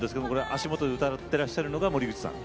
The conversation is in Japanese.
足元で歌ってらっしゃるのが森口さん。